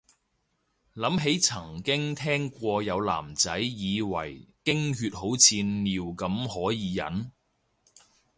諗起曾經聽過有男仔以為經血好似尿咁可以忍